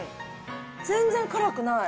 全然辛くない。